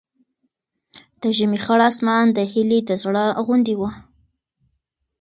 د ژمي خړ اسمان د هیلې د زړه غوندې و.